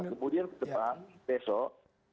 kemudian depan besok